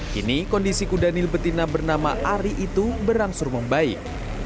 kini kondisi kudanil betina bernama ari itu berangsur membaik